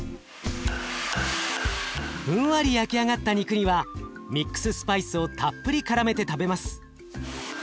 ふんわり焼き上がった肉にはミックススパイスをたっぷりからめて食べます。